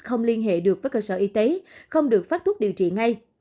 không liên hệ được với cơ sở y tế không được phát thuốc điều trị ngay